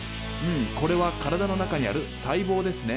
これは体の中にある細胞ですね。